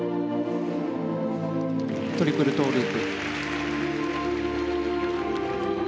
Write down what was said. トリプルトウループ。